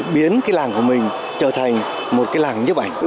biến cái làng của mình trở thành một cái làng nhếp ảnh